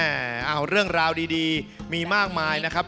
เอาเรื่องราวดีมีมากมายนะครับ